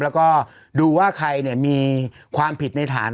แล้วก็ดูว่าใครมีความผิดในฐาน